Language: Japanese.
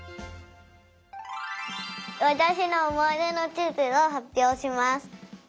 わたしのおもいでのちずをはっぴょうします。